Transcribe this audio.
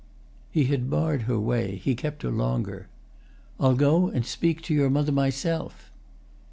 He had barred her way, he kept her longer. "I'll go and speak to your mother myself!"